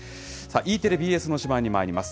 Ｅテレ、ＢＳの推しバン！にまいります。